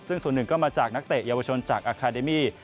ซึ่งส่วนหนึ่งก็มาจากนักเตะเยาวชนจากอาคาเดมี่